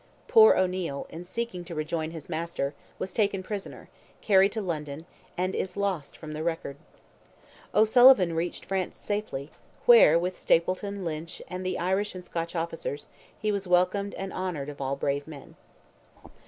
Poor O'Neil, in seeking to rejoin his master, was taken prisoner, carried to London, and is lost from the record. O'Sullivan reached France safely, where, with Stapleton, Lynch, and the Irish and Scotch officers, he was welcomed and honoured of all brave men.